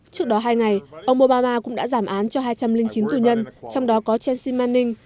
trước đó hai ngày ông obama cũng đã giảm án cho hai trăm linh chín tù nhân trong đó có chelsea manning